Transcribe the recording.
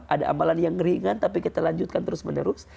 ada amalan yang ringan tapi kita lanjutkan terus menerus